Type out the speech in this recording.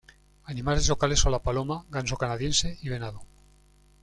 Animales locales son la paloma, ganso canadiense y venado.